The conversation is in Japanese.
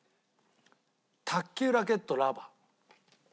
卓球ラケットラバー。